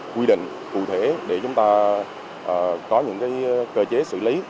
quy định cụ thể để chúng ta có những cơ chế xử lý